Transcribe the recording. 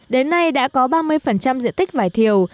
đến nay đã có ba mươi diện tích vải thiều